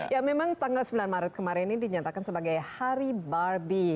ya memang tanggal sembilan maret kemarin ini dinyatakan sebagai hari barbie